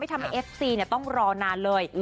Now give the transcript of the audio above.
ทำให้เอฟซีต้องรอนานเลย